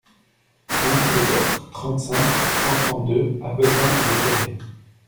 un le Tertre, trente-cinq, cent trente-deux à Vezin-le-Coquet